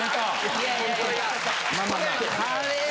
いやいや。